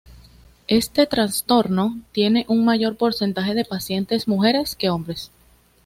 Este trastorno tiene un mayor porcentaje de pacientes mujeres que hombres.